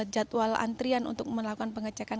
jadwal antrian untuk melakukan pengecekan